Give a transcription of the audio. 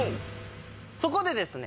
そこでですね